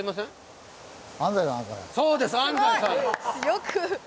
よく。